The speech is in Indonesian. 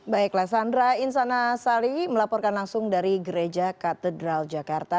baiklah sandra insana sali melaporkan langsung dari gereja katedral jakarta